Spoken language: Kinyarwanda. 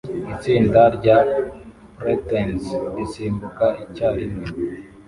Itsinda rya preteens risimbuka icyarimwe